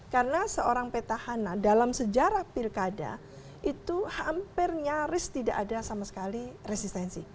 karena seorang petahana dalam sejarah pilkada itu hampir nyaris tidak ada sama sekali resistensi